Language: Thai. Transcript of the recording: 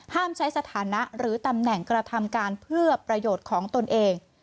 ใช้สถานะหรือตำแหน่งกระทำการเพื่อประโยชน์ของตนเอง